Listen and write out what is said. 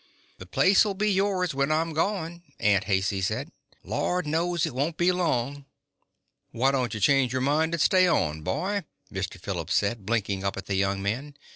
"The place'll be yours when I'm gone," Aunt Haicey said. "Lord knows it won't be long." "Why don't you change your mind and stay on, boy?" Mr. Phillips said, blinking up at the young man.